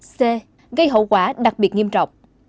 c gây hậu quả đặc biệt nghiêm trọng